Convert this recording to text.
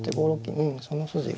うんその筋が。